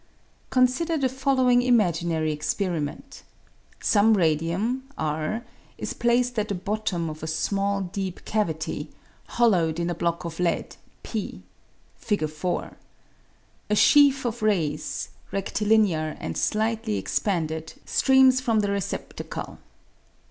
Consider the following imaginary experiment :— Some radium, r, is placed at the bottom of a small deep cavity, hollowed in a block of lead, p (Fig. 4). A sheaf of rays, Fig. 4. redtillnear and slightly expanded, streams from the re ceptacle.